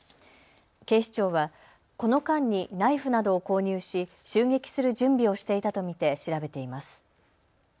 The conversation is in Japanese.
警視庁はこの間にナイフなどを購入し襲撃する準備をしていたと見て調べています。